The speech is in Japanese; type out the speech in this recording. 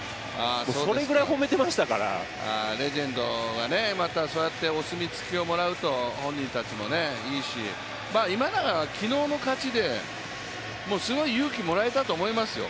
それぐらい褒めてましたからレジェンドがまた、そうやってお墨付きをもらうと本人たちもいいし、今永は昨日の勝ちですごい勇気もらえたと思います。